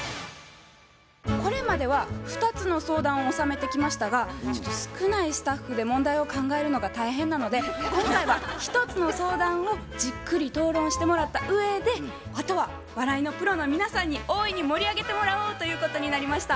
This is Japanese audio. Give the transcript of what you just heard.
これまでは２つの相談をおさめてきましたがちょっと少ないスタッフで問題を考えるのが大変なので今回は１つの相談をじっくり討論してもらったうえであとは笑いのプロの皆さんに大いに盛り上げてもらおうということになりました。